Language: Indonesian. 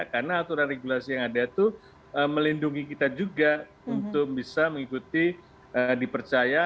karena aturan regulasi yang ada itu melindungi kita juga untuk bisa mengikuti dipercaya